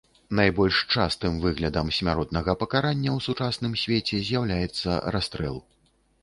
Найбольш частым выглядам смяротнага пакарання ў сучасным свеце з'яўляецца расстрэл.